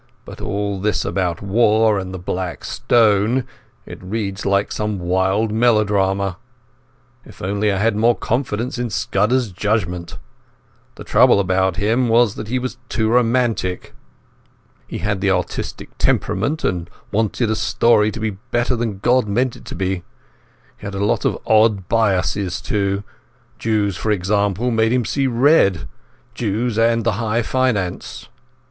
But all this about war and the Black Stone—it reads like some wild melodrama. If only I had more confidence in Scudder's judgement. The trouble about him was that he was too romantic. He had the artistic temperament, and wanted a story to be better than God meant it to be. He had a lot of odd biases, too. Jews, for example, made him see red. Jews and the high finance.